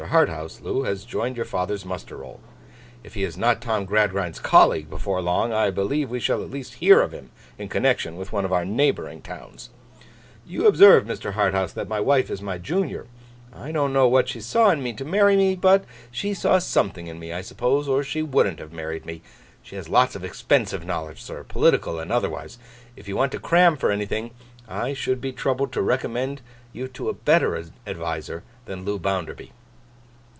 Harthouse has joined your father's muster roll. If he is not Tom Gradgrind's colleague before long, I believe we shall at least hear of him in connexion with one of our neighbouring towns. You observe, Mr. Harthouse, that my wife is my junior. I don't know what she saw in me to marry me, but she saw something in me, I suppose, or she wouldn't have married me. She has lots of expensive knowledge, sir, political and otherwise. If you want to cram for anything, I should be troubled to recommend you to a better adviser than Loo Bounderby.